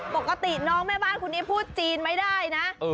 ปกติน้องแม่บ้านคนนี้พูดจีนไม่ได้นะ